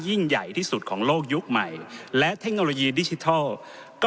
ยิ่งใหญ่ที่สุดของโลกยุคใหม่และเทคโนโลยีดิจิทัล